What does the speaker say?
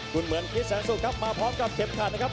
คุณเหมือนคริสแสนสุกครับมาพร้อมกับเข็มขัดนะครับ